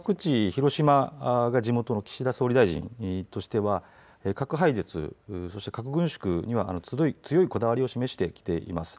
広島が地元の岸田総理大臣としては核廃絶、そして核軍縮には強いこだわりを示してきています。